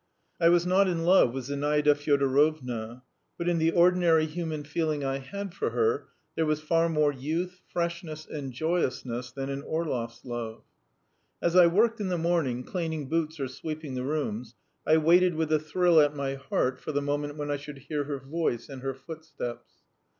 I was not in love with Zinaida Fyodorovna, but in the ordinary human feeling I had for her, there was far more youth, freshness, and joyousness than in Orlov's love. As I worked in the morning, cleaning boots or sweeping the rooms, I waited with a thrill at my heart for the moment when I should hear her voice and her footsteps.